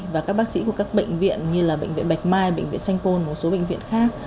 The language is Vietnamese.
và các bác sĩ của các bệnh viện như bệnh viện bạch mai bệnh viện sanh pôn một số bệnh viện khác